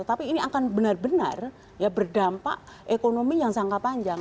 tapi ini akan benar benar ya berdampak ekonomi yang jangka panjang